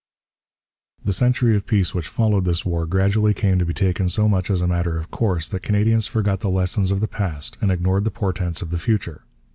The century of peace which followed this war gradually came to be taken so much as a matter of course that Canadians forgot the lessons of the past and ignored the portents of the future.